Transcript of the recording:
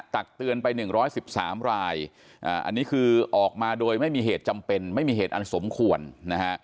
ตักเตือนไป๑๑๓รายอันนี้คือออกมาโดยไม่มีเหตุจำเป็นไม่มีเหตุอันสมควรนะฮะ